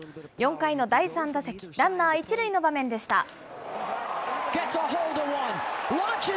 ４回の第３打席、ランナー１塁の場面でした。